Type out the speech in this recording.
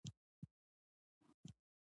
بابا د مرحوم سلطان محمد خان زوی دی.